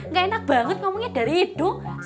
gak enak banget ngomongnya dari hidu